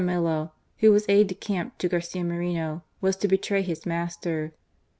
Jaramillo, who was aide de camp to Garcia Moreno, was to betray his master.